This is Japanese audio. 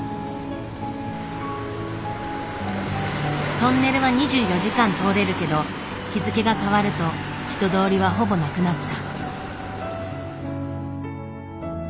トンネルは２４時間通れるけど日付が変わると人通りはほぼなくなった。